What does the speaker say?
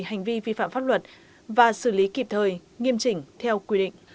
hành vi vi phạm pháp luật và xử lý kịp thời nghiêm chỉnh theo quy định